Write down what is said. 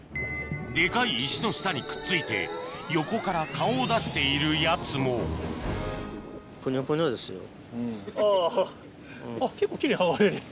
デカい石の下にくっついて横から顔を出しているやつもあぁあっ結構。